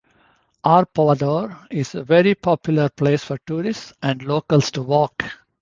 Arpoador is a very popular place for tourists and locals to walk.